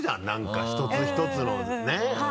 何か１つ１つのね